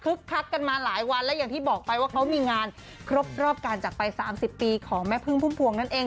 คักกันมาหลายวันและอย่างที่บอกไปว่าเขามีงานครบรอบการจักรไป๓๐ปีของแม่พึ่งพุ่มพวงนั่นเอง